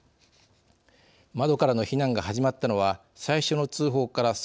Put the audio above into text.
窓からの避難が始まったのは最初の通報から３分後。